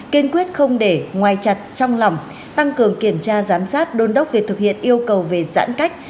kiên quyết không để ngoài chặt trong lòng tăng cường kiểm tra giám sát đôn đốc việc thực hiện yêu cầu về giãn cách